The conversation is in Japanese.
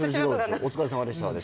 「お疲れさまでした」でしょ